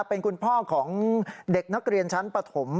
เป็นคุณพ่อของเด็กนักเรียนชั้นปฐม